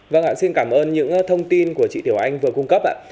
vâng ạ xin cảm ơn những thông tin của chị tiểu anh vừa cung cấp ạ